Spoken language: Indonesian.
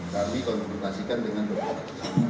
kami kontroversikan dengan dokter